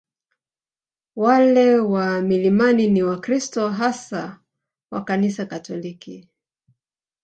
Wale wa milimani ni Wakristo hasa wa Kanisa Katoliki